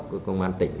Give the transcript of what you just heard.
của công an tỉnh